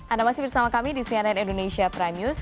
anda masih bersama kami di cnn indonesia prime news